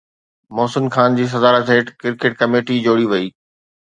محسن خان جي صدارت هيٺ cricket committee جوڙي وئي